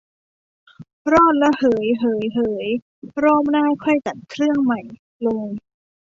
รอดละ เหย เหย เหย รอบหน้าค่อยจัดเครื่องใหม่เลย